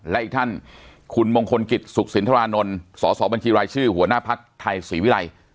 และอีกท่านคุณมงคลกิจสุขสินทรานนท์สสบัญชีรายชื่อหัวหน้าภักดิ์ไทยศรีวิรัย